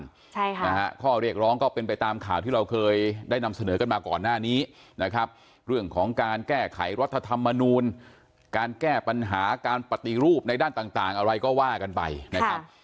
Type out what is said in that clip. ใช่ค่ะนะฮะข้อเรียกร้องก็เป็นไปตามข่าวที่เราเคยได้นำเสนอกันมาก่อนหน้านี้นะครับเรื่องของการแก้ไขรัฐธรรมนูลการแก้ปัญหาการปฏิรูปในด้านต่างต่างอะไรก็ว่ากันไปนะครับ